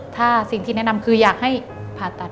ถ้าสิ่งที่แนะนำคืออยากให้ผ่าตัด